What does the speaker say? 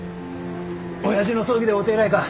おやじの葬儀で会うて以来か。